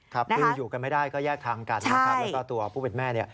คืออยู่กันไม่ได้ก็แยกทางกันนะครับแล้วเจ้าตัวผู้เป็นแม่